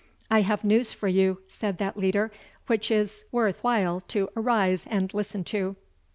"I have news for you," said that leader, "which is worth while to arise and listen to."